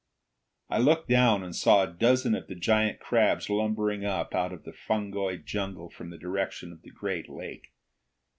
I looked down and saw a dozen of the giant crabs lumbering up out of the fungoid jungle from the direction of the great lake.